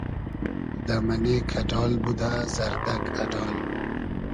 دۂ مئنې کئۮال بودۂ زئردئگ اۮال